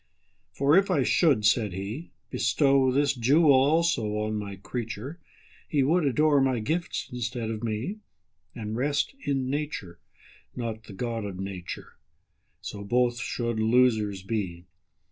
For if I should (said He)Bestow this jewel also on My creature, He would adore My gifts instead of Me, And rest in Nature, not the God of Nature:So both should losers be.